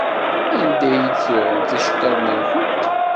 Anda i d-tuɣemt iceṭṭiḍen-nkent?